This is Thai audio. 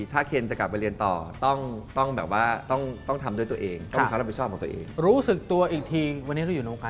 โรงเรียนเจ๊งมาแล้วฮะ